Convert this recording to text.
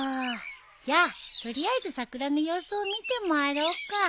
じゃあ取りあえず桜の様子を見て回ろうか。